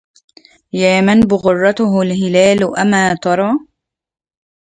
يا من بغرته الهلال أما ترى